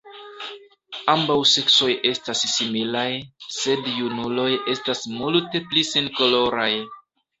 Ambaŭ seksoj estas similaj, sed junuloj estas multe pli senkoloraj.